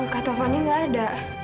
kak taufannya gak ada